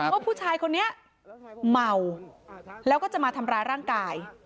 ว่าผู้ชายคนนี้เมาแล้วก็จะมาทำร้ายร่างกาย